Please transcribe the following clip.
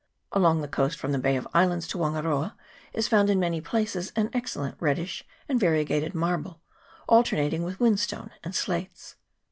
Along the coast from the Bay of Islands to Wangaroa is found in> many places an excellent reddish and variegated marble, alternating with whinstone and slates.